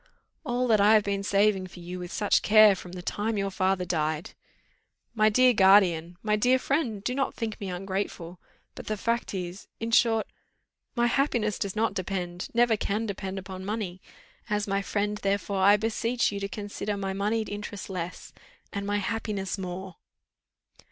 "All that I have been saving for you with such care from the time your father died!" "My dear guardian, my dear friend, do not think me ungrateful; but the fact is, in short, my happiness does not depend, never can depend, upon money; as my friend, therefore, I beseech you to consider my moneyed interest less, and my happiness more."